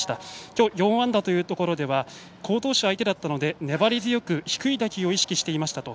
今日４安打というところでは好投手相手だったので粘り強く低い打球を意識していましたと。